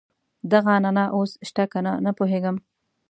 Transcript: دغه عنعنه اوس شته کنه نه پوهېږم.